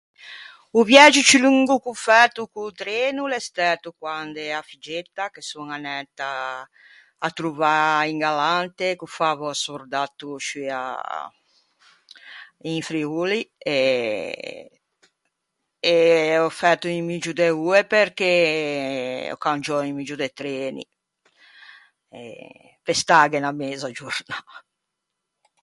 O viægio ciù longo ch'ò fæto co-o treno o l'é stæto quand'ea figgetta, che son anæta à trovâ un galante ch'o fava o sordatto sciù à... in Friuli, e... e ò fæto un muggio de oe perché ò cangiou un muggio de treni. Pe stâghe unna meza giornâ.